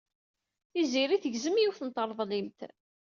Tiziri tegzem yiwet n treḍlimt.